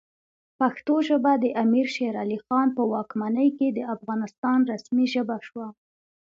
پښتو ژبه د امیر شیرعلی خان په واکمنۍ کې د افغانستان رسمي ژبه شوه.